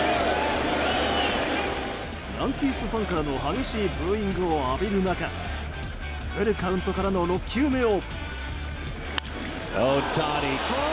ヤンキースファンからの激しいブーイングを浴びる中フルカウントからの６球目を。